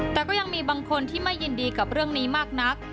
แต่ก็ยังมีบางคนที่ไม่ยินดีกับเรื่องนี้มากนัก